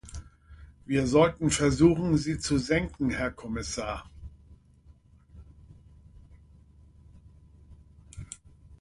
Wir sollten versuchen, sie zu senken, Herr Kommissar.